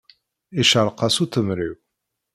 Iceṛeq-as utemṛiw.